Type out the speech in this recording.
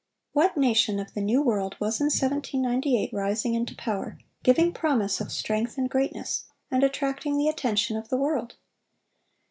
What nation of the New World was in 1798 rising into power, giving promise of strength and greatness, and attracting the attention of the world?